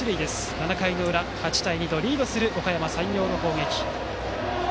７回の裏、８対２とリードする、おかやま山陽の攻撃。